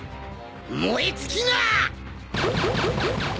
燃え尽きなッ！